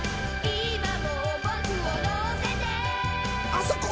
あそこ！